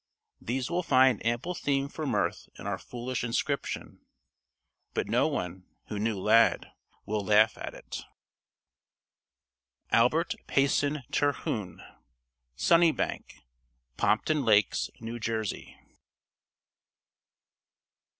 These will find ample theme for mirth in our foolish inscription. But no one, who knew Lad, will laugh at it. ALBERT PAYSON TERHUNE. "Sunnybank" Pompton Lakes, New Jersey.